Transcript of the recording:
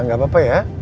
gak apa apa ya